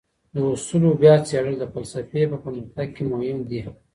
د اصولو بیا څېړل د فلسفې په پرمختګ کي مهم دي.